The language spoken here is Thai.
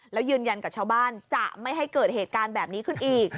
แล้วยืนยันกับชาวบ้านจะไม่ให้เกิดเหตุการณ์แบบนี้ขึ้นอีก